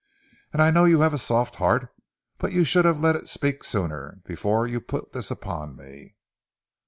And I know you have a soft heart, but you should have let it speak sooner before you put this upon me."